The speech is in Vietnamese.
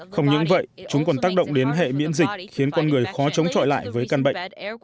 không những vậy chúng còn tác động đến hệ miễn dịch khiến con người khó chống trọi lại với căn bệnh